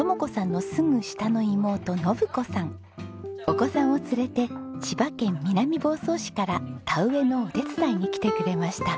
お子さんを連れて千葉県南房総市から田植えのお手伝いに来てくれました。